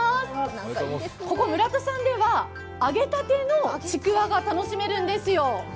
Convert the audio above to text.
ここＭＵＲＡＴＡさんでは揚げたてのちくわが楽しめるんです。